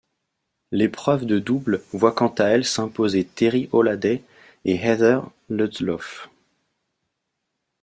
L'épreuve de double voit quant à elle s'imposer Terry Holladay et Heather Ludloff.